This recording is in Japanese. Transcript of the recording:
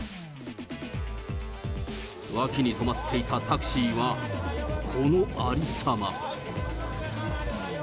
脇に止まっていたタクシーは、このありさま。